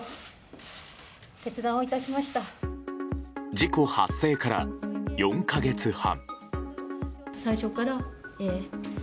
事故発生から４か月半。